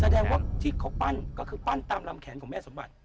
แสดงว่าที่เขาปั้นก็คือปั้นตามลำแขนของแม่สมบัติ